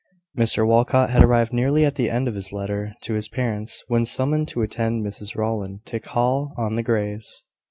Mr Walcot had arrived nearly at the end of his letter to his parents, when summoned to attend Mrs Rowland to call on the Greys.